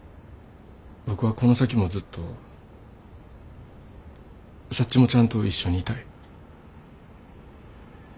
僕はこの先もずっとサッチモちゃんと一緒にいたい。